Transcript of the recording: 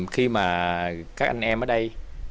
khi mà các anh em ở đây